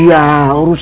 jadi gua gini